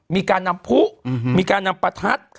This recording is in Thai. มีการนำผู้มีการนำประทัด